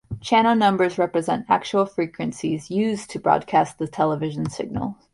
Channel numbers represent actual frequencies used to broadcast the television signal.